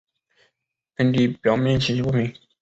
坑底表面崎岖不平。